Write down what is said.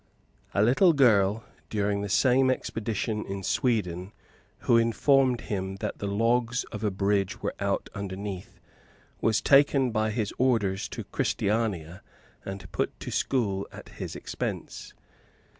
A little girl, during the same expedition, in Sweden, who informed him that the logs of a bridge were out underneath, was taken by his orders to Christiania, and put to school at his expense.